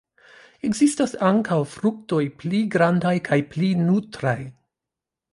Ekzistas ankaŭ fruktoj pli grandaj kaj pli nutraj.